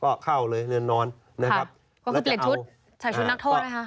ก็เข้าเลยเรือนนอนนะครับก็คือเปลี่ยนชุดใส่ชุดนักโทษไหมคะ